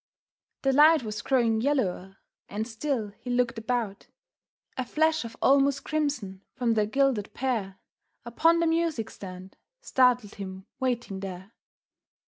The light was growing yellower, and still he looked about. A flash of almost crimson from the gilded pear Upon the music stand, startled him waiting there.